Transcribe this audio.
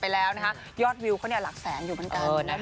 ไปแล้วนะคะยอดวิวเขาเนี่ยหลักแสงอยู่เหมือนกัน